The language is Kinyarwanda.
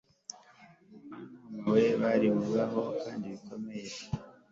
na mama we bari mu bibazo bikomeye